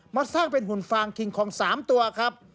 สร้างเป็นหุ่นฟางคิงคอง๓ตัวครับ